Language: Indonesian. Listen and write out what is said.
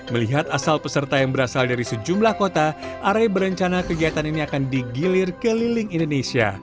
melihat asal peserta yang berasal dari sejumlah kota are berencana kegiatan ini akan digilir keliling indonesia